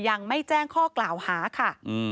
ยังไม่แจ้งข้อกล่าวหาค่ะ